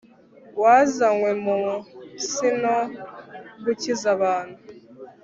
wazanywe mu nsi no gukiza abantu